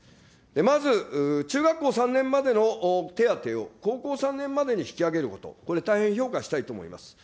まず、中学校３年までの手当を高校３年までに引き上げること、これ、大変評価したいと思います。